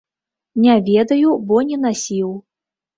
Не ведаю, бо не насіў.